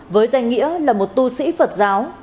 với danh nghĩa là một tu sĩ phật giáo